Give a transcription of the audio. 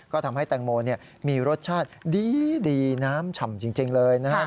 ก็ทำให้แตงโมมีรสชาติดีน้ำฉ่ำจริงเลยนะฮะ